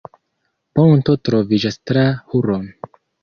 Ponto troviĝas tra Hron.